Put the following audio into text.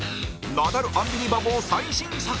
ナダル・アンビリバボー最新作